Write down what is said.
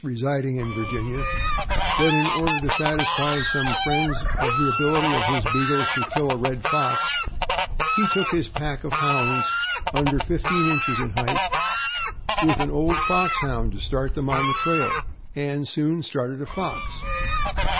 277 residing in Virginia that, in order to satisfy some friends of the ability of his Beagles to kill a red fox, he took his pack of Hounds — under fifteen inches in height — with an old Foxhound to start them on the trail, and soon started a fox.